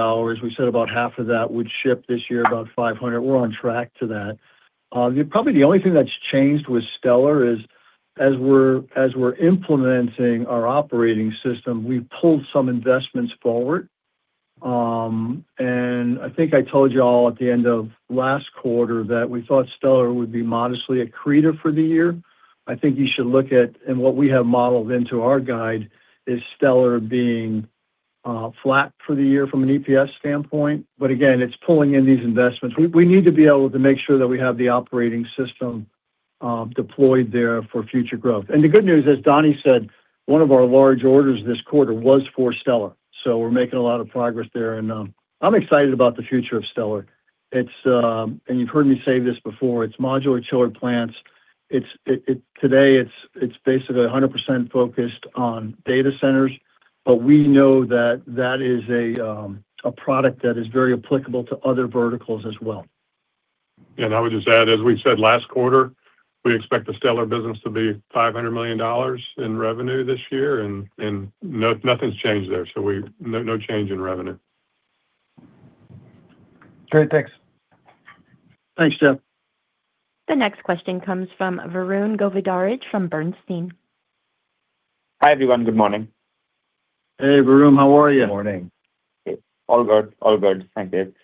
Speaker 3: We said about half of that would ship this year, about $500 million. We're on track to that. Probably the only thing that's changed with Stellar is as we're implementing our operating system, we've pulled some investments forward. I think I told you all at the end of last quarter that we thought Stellar would be modestly accretive for the year. I think you should look at, and what we have modeled into our guide, is Stellar being flat for the year from an EPS standpoint. Again, it's pulling in these investments. We need to be able to make sure that we have the operating system deployed there for future growth. The good news, as Donny said, one of our large orders this quarter was for Stellar. We're making a lot of progress there, and I'm excited about the future of Stellar. You've heard me say this before, it's modular chiller plants. Today, it's basically 100% focused on data centers, we know that that is a product that is very applicable to other verticals as well.
Speaker 6: I would just add, as we said last quarter, we expect the Stellar business to be $500 million in revenue this year, nothing's changed there. No change in revenue.
Speaker 12: Great. Thanks.
Speaker 3: Thanks, Jeff.
Speaker 1: The next question comes from Varun Govindaraj from Bernstein.
Speaker 13: Hi, everyone. Good morning.
Speaker 3: Hey, Varun. How are you?
Speaker 6: Morning.
Speaker 13: All good. Thank you.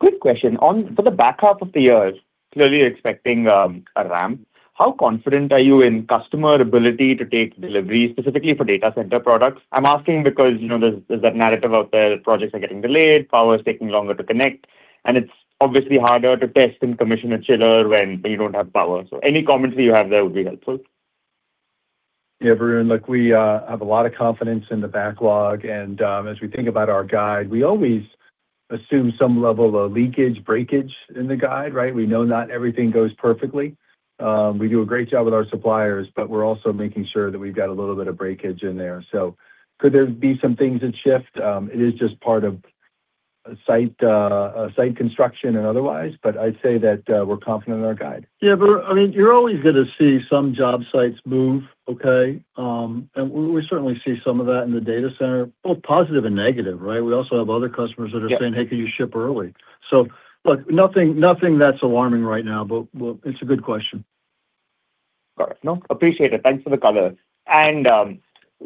Speaker 13: Quick question. For the back half of the year, clearly expecting a ramp, how confident are you in customer ability to take delivery, specifically for data center products? I'm asking because there's that narrative out there that projects are getting delayed, power is taking longer to connect, and it's obviously harder to test and commission a chiller when you don't have power. Any commentary you have there would be helpful.
Speaker 6: Yeah, Varun, look, we have a lot of confidence in the backlog, as we think about our guide, we always assume some level of leakage, breakage in the guide, right? We know not everything goes perfectly. We do a great job with our suppliers, but we're also making sure that we've got a little bit of breakage in there. Could there be some things that shift? It is just part of site construction and otherwise, but I'd say that we're confident in our guide.
Speaker 3: Yeah, Varun, you're always going to see some job sites move. Okay? We certainly see some of that in the data center, both positive and negative, right? We also have other customers that are saying.
Speaker 13: Yeah.
Speaker 3: Hey, can you ship early?" Look, nothing that's alarming right now, but it's a good question.
Speaker 13: Got it. No, appreciate it. Thanks for the color.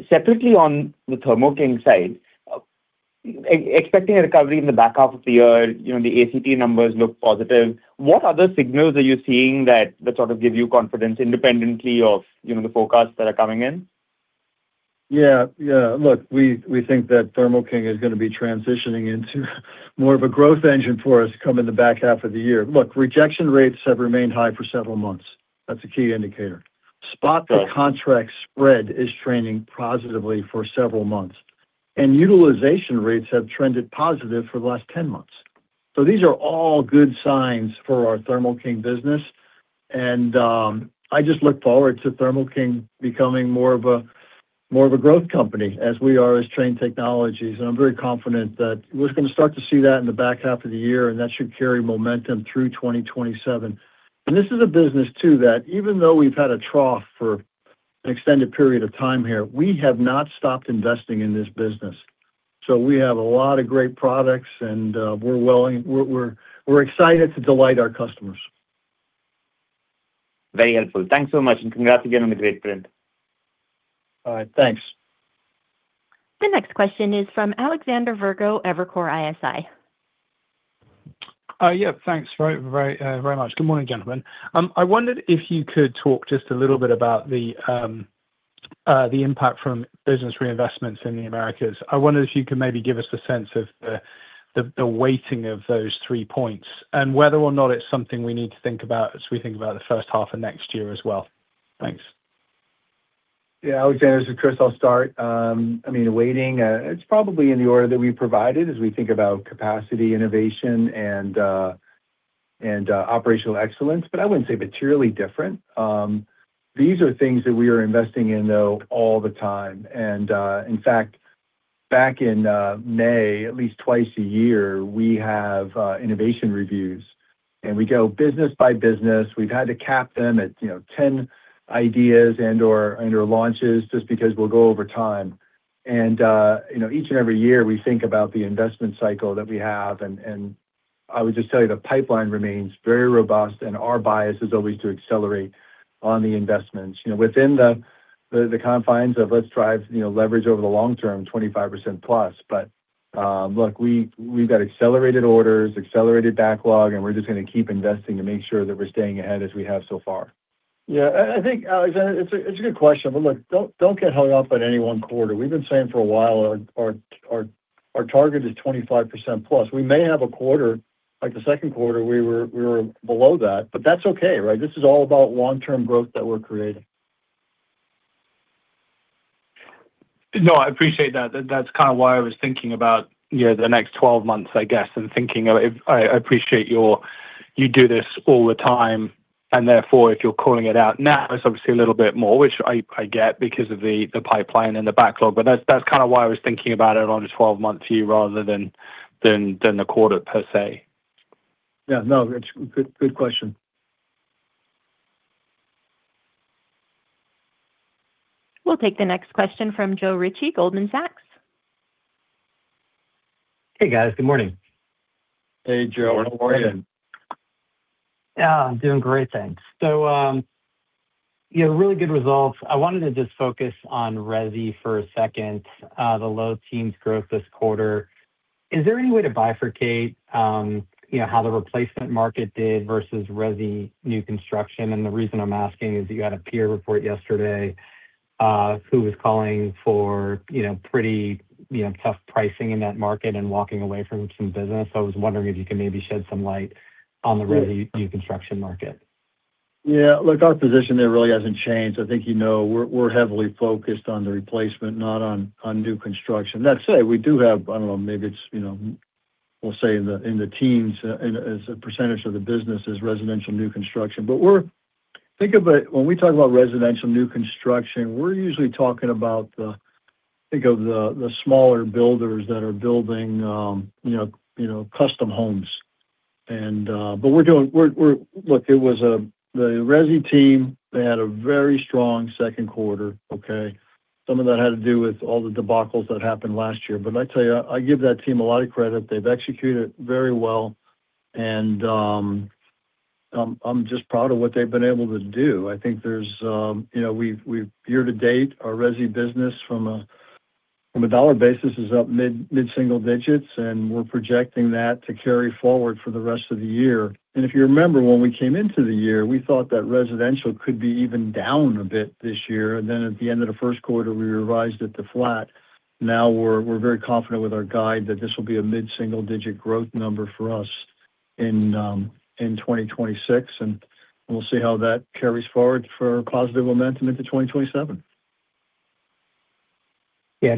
Speaker 13: Separately on the Thermo King side, expecting a recovery in the back half of the year, the ACT numbers look positive. What other signals are you seeing that sort of give you confidence independently of the forecasts that are coming in?
Speaker 3: Yeah. Look, we think that Thermo King is going to be transitioning into more of a growth engine for us coming the back half of the year. Look, rejection rates have remained high for several months. That's a key indicator. Spot-to-contract spread is trending positively for several months. Utilization rates have trended positive for the last 10 months. These are all good signs for our Thermo King business, and I just look forward to Thermo King becoming more of a growth company as we are as Trane Technologies. I'm very confident that we're going to start to see that in the back half of the year, and that should carry momentum through 2027. This is a business too, that even though we've had a trough for an extended period of time here, we have not stopped investing in this business. We have a lot of great products and we're excited to delight our customers.
Speaker 13: Very helpful. Thanks so much and congrats again on the great print.
Speaker 3: All right, thanks.
Speaker 1: The next question is from Alexander Virgo, Evercore ISI.
Speaker 14: Yeah, thanks very much. Good morning, gentlemen. I wondered if you could talk just a little bit about the impact from business reinvestments in the Americas. I wonder if you can maybe give us a sense of the weighting of those three points and whether or not it's something we need to think about as we think about the first half of next year as well. Thanks.
Speaker 4: Yeah, Alexander, this is Chris. I'll start. The weighting, it's probably in the order that we provided as we think about capacity, innovation, and operational excellence, I wouldn't say materially different. These are things that we are investing in, though, all the time. In fact, back in May, at least twice a year, we have innovation reviews and we go business by business. We've had to cap them at 10 ideas and/or launches just because we'll go over time. Each and every year, we think about the investment cycle that we have, and I would just tell you the pipeline remains very robust and our bias is always to accelerate on the investments within the confines of let's drive leverage over the long term, 25%+. Look, we've got accelerated orders, accelerated backlog, and we're just going to keep investing to make sure that we're staying ahead as we have so far.
Speaker 3: Yeah, I think, Alexander, it's a good question. Look, don't get hung up on any one quarter. We've been saying for a while our target is 25% plus. We may have a quarter, like the second quarter, we were below that, but that's okay, right? This is all about long-term growth that we're creating.
Speaker 14: No, I appreciate that. That's kind of why I was thinking about the next 12 months, I guess, and thinking of I appreciate you do this all the time, and therefore, if you're calling it out now, it's obviously a little bit more, which I get because of the pipeline and the backlog. That's kind of why I was thinking about it on a 12-month view rather than the quarter per se.
Speaker 3: Yeah, no, it's a good question.
Speaker 1: We'll take the next question from Joe Ritchie, Goldman Sachs.
Speaker 15: Hey, guys. Good morning.
Speaker 3: Hey, Joe. How are you?
Speaker 4: Morning.
Speaker 15: Yeah, I'm doing great, thanks. Really good results. I wanted to just focus on resi for a second. The low teens growth this quarter. Is there any way to bifurcate how the replacement market did versus resi new construction? The reason I'm asking is you had a peer report yesterday, who was calling for pretty tough pricing in that market and walking away from some business. I was wondering if you could maybe shed some light on the resi new construction market.
Speaker 3: Yeah. Look, our position there really hasn't changed. I think you know we're heavily focused on the replacement, not on new construction. That said, we do have, I don't know, maybe it's we'll say in the teens as a percentage of the business is residential new construction. Think of it, when we talk about residential new construction, we're usually talking about the smaller builders that are building custom homes. Look, the resi team, they had a very strong second quarter. Okay? Some of that had to do with all the debacles that happened last year. I tell you, I give that team a lot of credit. They've executed very well, and I'm just proud of what they've been able to do. Year to date, our resi business from a dollar basis is up mid-single digits, and we're projecting that to carry forward for the rest of the year. If you remember, when we came into the year, we thought that residential could be even down a bit this year. At the end of the first quarter, we revised it to flat. We're very confident with our guide that this will be a mid-single digit growth number for us in 2026, and we'll see how that carries forward for positive momentum into 2027.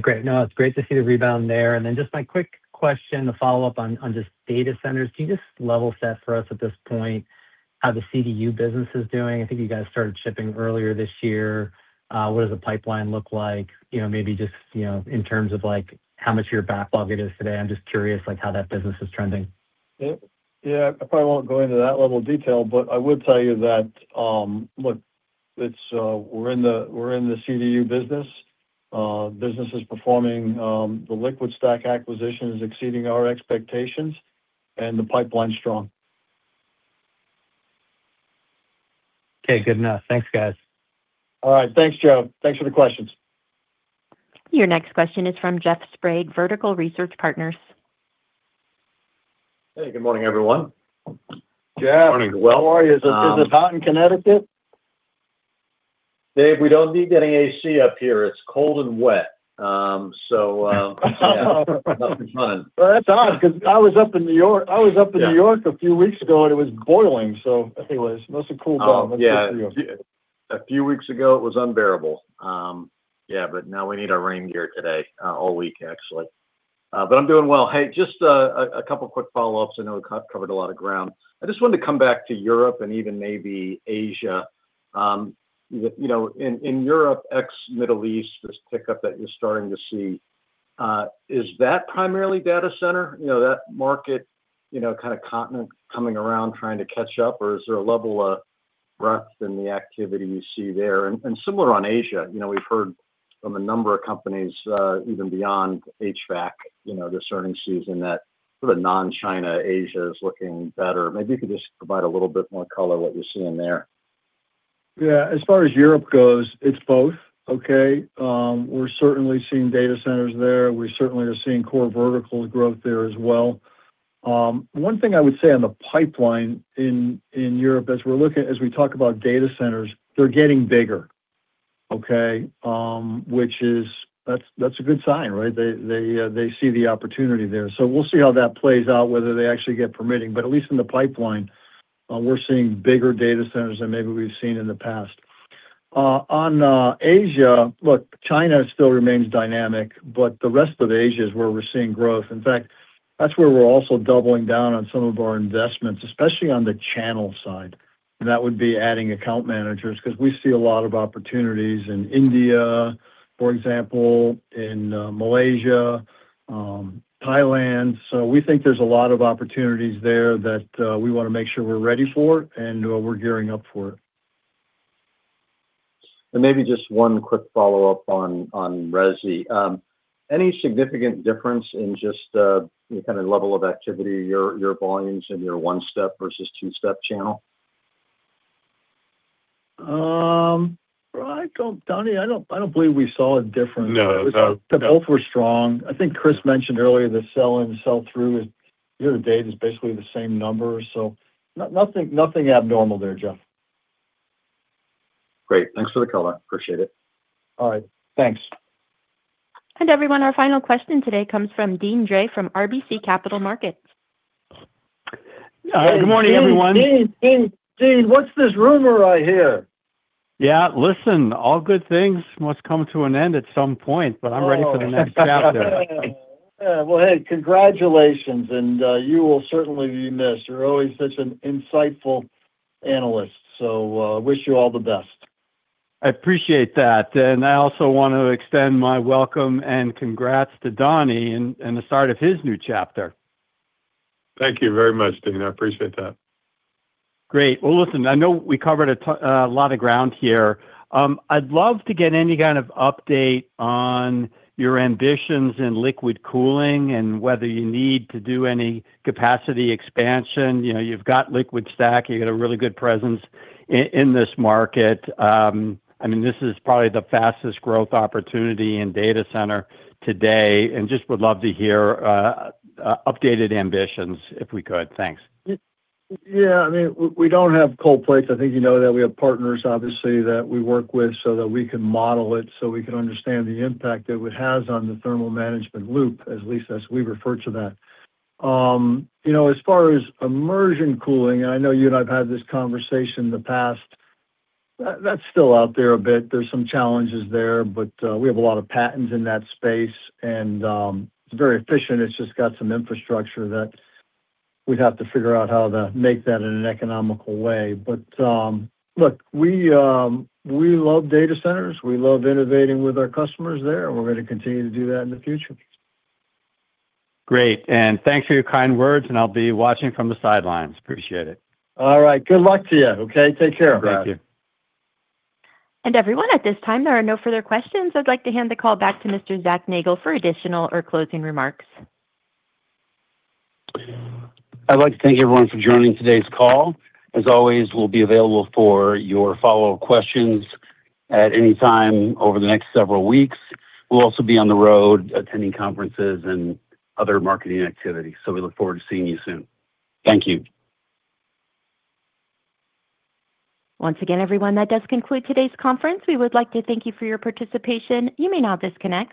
Speaker 15: Great. No, it's great to see the rebound there. Just my quick question to follow up on just data centers. Can you just level set for us at this point how the CDU business is doing? I think you guys started shipping earlier this year. What does the pipeline look like? Maybe just in terms of how much of your backlog it is today. I'm just curious how that business is trending.
Speaker 3: I probably won't go into that level of detail, but I would tell you that, look, we're in the CDU business. Business is performing. The LiquidStack acquisition is exceeding our expectations, and the pipeline's strong.
Speaker 15: Okay, good enough. Thanks, guys.
Speaker 3: All right. Thanks, Joe. Thanks for the questions.
Speaker 1: Your next question is from Jeff Sprague, Vertical Research Partners.
Speaker 16: Hey, good morning, everyone.
Speaker 3: Jeff, how are you? Is it hot in Connecticut?
Speaker 16: Dave, we don't need any AC up here. It's cold and wet. Yeah. Not for fun.
Speaker 3: Well, that's odd, because I was up in New York a few weeks ago, and it was boiling. Anyways, must have cooled off.
Speaker 16: Yeah. A few weeks ago, it was unbearable. Now we need our rain gear today, all week actually. I'm doing well. Hey, just a couple quick follow-ups. I know I've covered a lot of ground. I just wanted to come back to Europe and even maybe Asia. In Europe, ex-Middle East, this pickup that you're starting to see, is that primarily data center? That market, kind of continent coming around, trying to catch up, or is there a level of breadth in the activity you see there? Similar on Asia. We've heard from a number of companies, even beyond HVAC, earnings season that the non-China Asia is looking better. Maybe you could just provide a little bit more color what you're seeing there.
Speaker 3: Yeah. As far as Europe goes, it's both, okay? We're certainly seeing data centers there. We certainly are seeing core vertical growth there as well. One thing I would say on the pipeline in Europe, as we talk about data centers, they're getting bigger, okay? Which is, that's a good sign, right? They see the opportunity there. We'll see how that plays out, whether they actually get permitting, at least in the pipeline, we're seeing bigger data centers than maybe we've seen in the past. On Asia, look, China still remains dynamic, the rest of Asia is where we're seeing growth. In fact, that's where we're also doubling down on some of our investments, especially on the channel side. That would be adding account managers because we see a lot of opportunities in India, for example, in Malaysia, Thailand. We think there's a lot of opportunities there that we want to make sure we're ready for, and we're gearing up for.
Speaker 16: Maybe just one quick follow-up on resi. Any significant difference in just the kind of level of activity, your volumes in your one-step versus two-step channel?
Speaker 3: Donny, I don't believe we saw a difference.
Speaker 6: No.
Speaker 3: Both were strong. I think Chris mentioned earlier the sell and sell through is, year to date, is basically the same number, so nothing abnormal there, Jeff.
Speaker 16: Great. Thanks for the color. Appreciate it.
Speaker 3: All right. Thanks.
Speaker 1: Everyone, our final question today comes from Deane Dray from RBC Capital Markets.
Speaker 17: Good morning, everyone.
Speaker 3: Deane, what's this rumor I hear?
Speaker 17: Yeah. Listen, all good things must come to an end at some point, but I'm ready for the next chapter.
Speaker 3: Yeah. Well, hey, congratulations, and you will certainly be missed. You're always such an insightful analyst, so wish you all the best.
Speaker 17: I appreciate that. I also want to extend my welcome and congrats to Donny and the start of his new chapter.
Speaker 6: Thank you very much, Deane. I appreciate that.
Speaker 17: Great. Well, listen, I know we covered a lot of ground here. I'd love to get any kind of update on your ambitions in liquid cooling and whether you need to do any capacity expansion. You've got LiquidStack, you got a really good presence in this market. This is probably the fastest growth opportunity in data center today, just would love to hear updated ambitions if we could. Thanks.
Speaker 3: Yeah. We don't have cold plates. I think you know that we have partners, obviously, that we work with so that we can model it, so we can understand the impact that it has on the thermal management loop, at least as we refer to that. As far as immersion cooling, I know you and I have had this conversation in the past, that's still out there a bit. There's some challenges there, we have a lot of patents in that space, and it's very efficient. It's just got some infrastructure that we'd have to figure out how to make that in an economical way. Look, we love data centers. We love innovating with our customers there. We're going to continue to do that in the future.
Speaker 17: Great. Thanks for your kind words, and I'll be watching from the sidelines. Appreciate it.
Speaker 3: All right. Good luck to you, okay? Take care.
Speaker 17: Thank you.
Speaker 1: Everyone, at this time, there are no further questions. I'd like to hand the call back to Mr. Zach Nagle for additional or closing remarks.
Speaker 2: I'd like to thank everyone for joining today's call. As always, we'll be available for your follow-up questions at any time over the next several weeks. We'll also be on the road attending conferences and other marketing activities. We look forward to seeing you soon. Thank you.
Speaker 1: Once again, everyone, that does conclude today's conference. We would like to thank you for your participation. You may now disconnect.